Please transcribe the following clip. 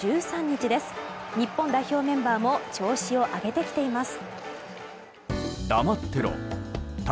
日本代表メンバーも調子を上げてきています。